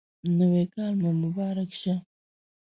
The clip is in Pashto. نوی کال مو مبارک شه